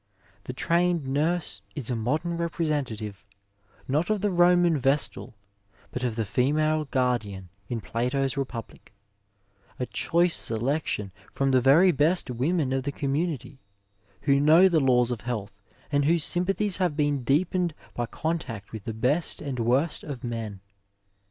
The trained nurse is a modem representative, not of the Roman Vestal, but of the female guardian in Plato's republic — a choice selection from the very best women of the conmiunity, who know the laws of health, and whose sympathies have 162 Digitized by Google NURSE AND PATIENT been deepened by contact with the best and worst of men.